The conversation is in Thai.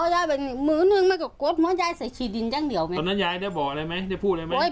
ตอนนั้นยายได้บอกอะไรไหมได้พูดอะไรไหม